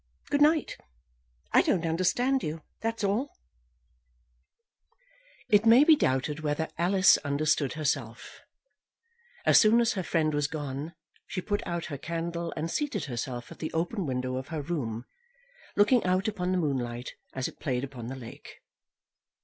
Well; good night. I don't understand you, that's all." It may be doubted whether Alice understood herself. As soon as her friend was gone, she put out her candle and seated herself at the open window of her room, looking out upon the moonlight as it played upon the lake.